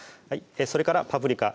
それからパプリカ